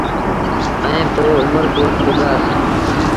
ائيٚݩ پو اُمر ڪوٽ پڳآسيٚݩ۔